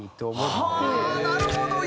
なるほど！